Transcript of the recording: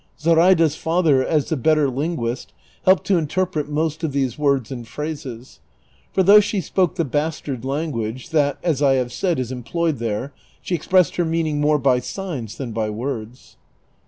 Zoraida's father as the better linguist helped to interpret most of these words and plirases, for though she spoke the bastard language, that, as I have said, is employed there, she expressed her meaning more by signs than by words.